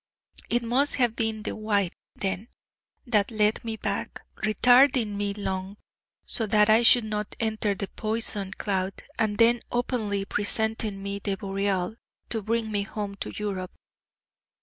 It must have been 'the White,' then, that led me back, retarding me long, so that I should not enter the poison cloud, and then openly presenting me the Boreal to bring me home to Europe.